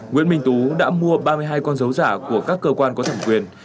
nguyễn minh tú đã mua ba mươi hai con dấu giả của các cơ quan có thẩm quyền